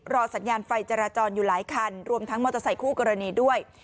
สัญญาณไฟจราจรอยู่หลายคันรวมทั้งมอเตอร์ไซคู่กรณีด้วย